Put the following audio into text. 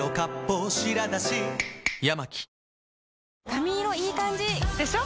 髪色いい感じ！でしょ？